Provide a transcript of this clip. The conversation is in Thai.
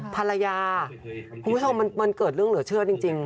คุณผู้ชมมันเกิดเรื่องเหลือเชื่อจริง